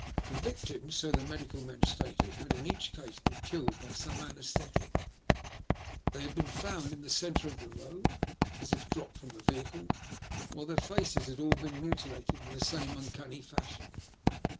The victims, so the medical men stated, had in each case been killed by some anaesthetic : they had been found in the centre of the road, as if dropped from a vehicle, while their faces had all been mutilated in the same uncanny fashion.